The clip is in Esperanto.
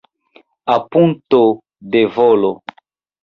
Amputo de volo.